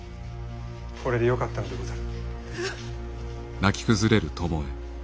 これでよかったのでござる。